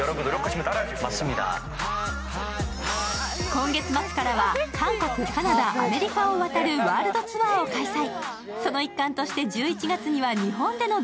今月末からは韓国、カナダ、アメリカを渡るワールドツアーを開催。